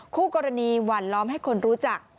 คู่กรณีหวั่นล้อมให้คนรู้จัก